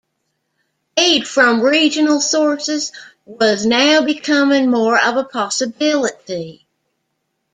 Aid from regional sources was now becoming more of a possibility.